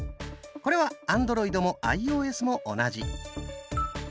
これはアンドロイドもアイオーエスも同じ。